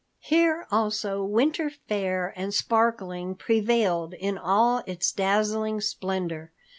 Here also winter fair and sparkling prevailed in all its dazzling splendor.